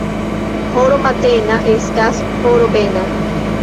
Horo matena estas horo bena.